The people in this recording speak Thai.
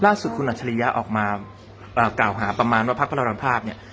ล่าสุดคุณอัจฉริยะออกมากล่าวหาประมาณว่าพักพระรามภาพเนี่ย